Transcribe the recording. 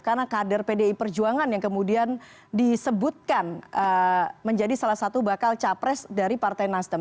karena kader pdi perjuangan yang kemudian disebutkan menjadi salah satu bakal capres dari partai nasdem